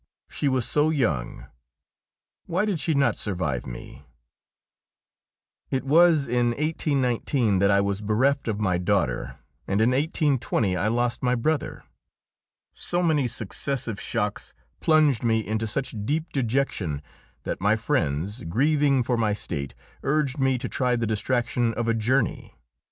she was so young! Why did she not survive me? It was in 1819 that I was bereft of my daughter, and in 1820 I lost my brother. So many successive shocks plunged me into such deep dejection that my friends, grieving for my state, urged me to try the distraction of a journey.